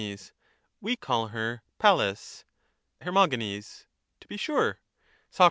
We call her Pallas. Her. To be sure. Soc.